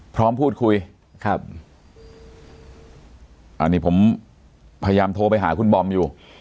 พร้อมพูดคุยครับอันนี้ผมพยายามโทรไปหาคุณบอมอยู่